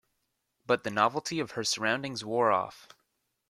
But the novelty of her surroundings wore off.